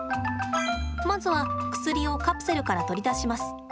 まずは薬をカプセルから取り出します。